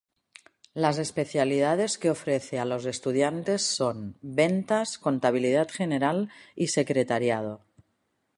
Las especialidades que ofrece a los estudiantes son Ventas, Contabilidad General y Secretariado.